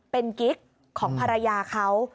เป็นกิ๊กของภรรยาเขา